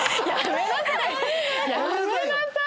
やめなさい！